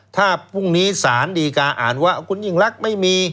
ถ้าพรุ่งนี้สารดีกาอ่านว่าคุณยิ่งรักไม่มี